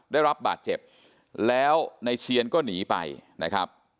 ได้รับบาดเจ็บแล้วในเชียนก็หนีไปนะครับ